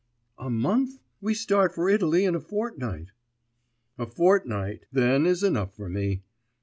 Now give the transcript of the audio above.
'A month! we start for Italy in a fortnight.' 'A fortnight, then, is enough for me.